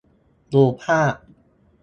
ดูภาพ